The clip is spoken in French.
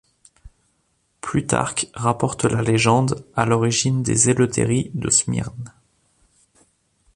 Plutarque rapporte la légende à l’origine des Éleuthéries de Smyrne.